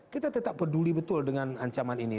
kita tetap peduli betul dengan ancaman ini